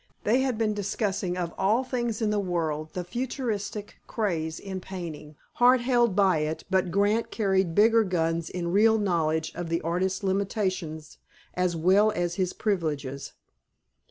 They had been discussing, of all things in the world, the futurist craze in painting. Hart held by it, but Grant carried bigger guns in real knowledge of the artist's limitations as well as his privileges.